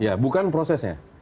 ya bukan prosesnya